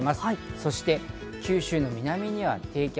そして九州の南には低気圧。